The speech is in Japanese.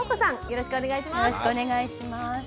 よろしくお願いします。